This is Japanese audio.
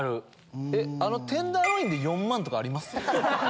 あのテンダーロインで４万とかあります？